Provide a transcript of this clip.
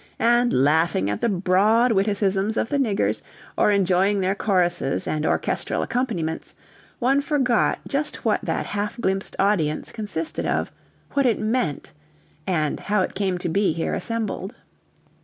And laughing at the broad witticisms of the niggers, or enjoying their choruses and orchestral accompaniments, one forgot just what that half glimpsed audience consisted of; what it meant, and how it came to be here assembled.